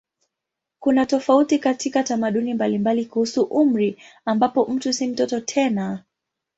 Kuna tofauti katika tamaduni mbalimbali kuhusu umri ambapo mtu si mtoto tena.